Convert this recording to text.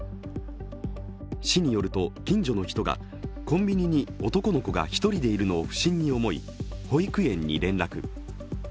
市によると近所の人がコンビニに男の子が１人でいるのを不審に思い、保育園に連絡。